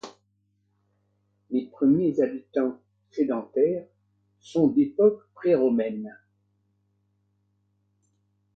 Les premiers habitants sédentaires sont d'époque préromaine.